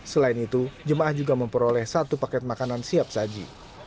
selain itu jemaah juga memperoleh satu paket makanan siap saji